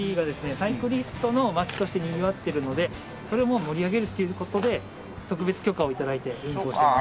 サイクリストの街としてにぎわっているのでそれを盛り上げるっていう事で特別許可を頂いて運行しています。